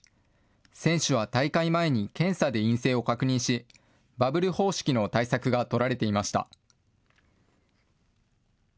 選手は大会前に検査で陰性を確認し、バブル方式の対策が取られていました。